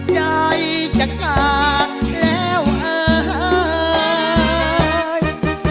ใจจะกางแล้วเอ่ย